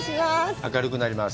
明るくなります。